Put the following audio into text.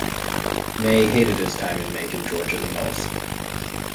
May hated his time in Macon, Georgia the most.